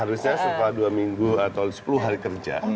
harusnya setelah dua minggu atau sepuluh hari kerja